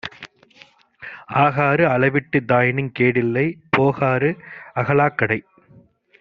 ஆகாறு அளவிட்டிதாயினுங் கேடில்லை, போகாறு அகலாக் கடை.